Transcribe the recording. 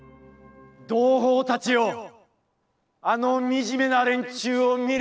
「同胞たちよ、あのみじめな連中を見るがいい！